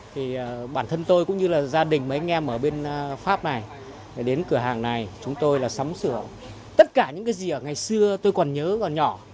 thì bản thân tôi cũng như là gia đình mấy anh em ở bên pháp này đến cửa hàng này chúng tôi là sắm sửa tất cả những cái gì ở ngày xưa tôi còn nhớ còn nhỏ